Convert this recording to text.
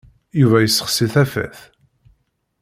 Yuba yessexsi tafat.